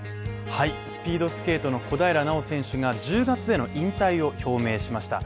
スピードスケートの小平奈緒選手が１０月での引退を表明しました。